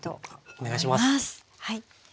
お願いします。